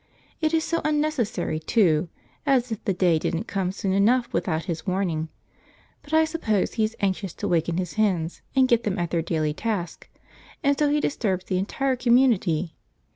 It is so unnecessary too, as if the day didn't come soon enough without his warning; but I suppose he is anxious to waken his hens and get them at their daily task, and so he disturbs the entire community.